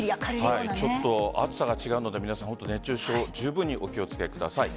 ちょっと暑さが違うので皆さん、熱中症じゅうぶんにお気を付けください。